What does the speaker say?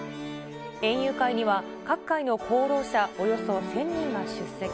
園遊会には、各界の功労者およそ１０００人が出席。